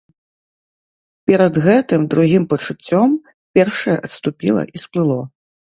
Перад гэтым другім пачуццём першае адступіла і сплыло.